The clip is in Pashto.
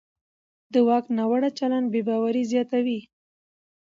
د واک ناوړه چلند بې باوري زیاتوي